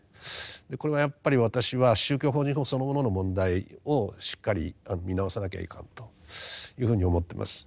これはやっぱり私は宗教法人法そのものの問題をしっかり見直さなきゃいかんというふうに思ってます。